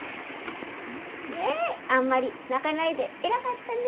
ねえあんまり泣かないで偉かったね。